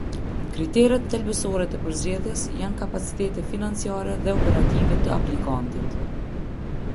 Kriteret thelbësore të përzgjedhjes janë kapacitete financiare dhe operative të aplikantit.